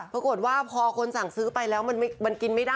ปรากฏว่าพอคนสั่งซื้อไปแล้วมันกินไม่ได้